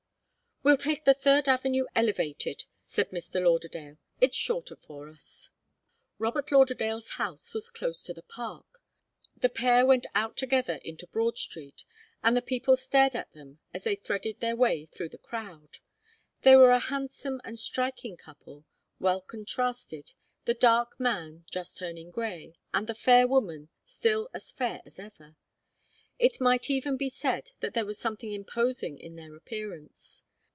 "We'll take the Third Avenue Elevated," said Mr. Lauderdale. "It's shorter for us." Robert Lauderdale's house was close to the Park. The pair went out together into Broad Street, and the people stared at them as they threaded their way through the crowd. They were a handsome and striking couple, well contrasted, the dark man, just turning grey, and the fair woman, still as fair as ever. It might even be said that there was something imposing in their appearance.